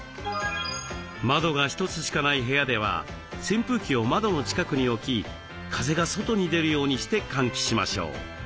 窓が一つしかない部屋では扇風機を窓の近くに置き風が外に出るようにして換気しましょう。